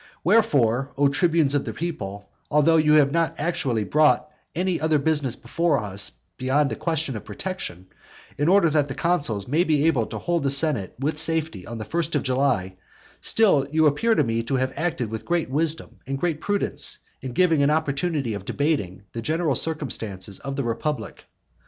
Wherefore, O tribunes of the people, although you have not actually brought any other business before us beyond the question of protection, in order that the consuls may be able to hold the senate with safety on the first of January, still you appear to me to have acted with great wisdom and great prudence in giving an opportunity of debating the general circumstances of the republic.